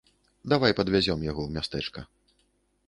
Давай падвязём яго ў мястэчка.